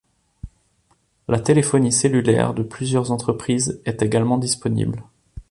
La téléphonie cellulaire de plusieurs entreprises est également disponible.